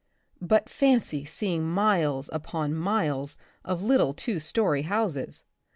But fancy seeing miles upon miles of little two story houses